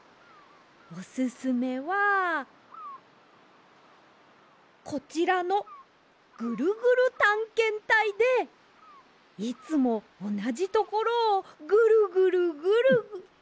オススメはこちらの「ぐるぐるたんけんたい」でいつもおなじところをぐるぐるぐるぐる。